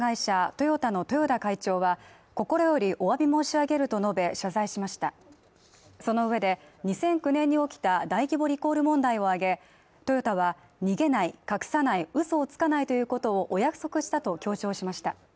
トヨタの豊田会長は、心よりお詫び申し上げると述べ、謝罪しましたその上で、２００９年に起きた大規模リコール問題を挙げ、トヨタは逃げない、隠さない、嘘をつかないということをお約束したと強調しました。